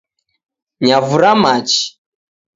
Nyavura machi